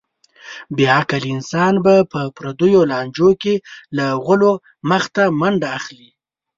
بې عقل انسان به په پردیو لانجو کې له غولو مخته منډه اخلي.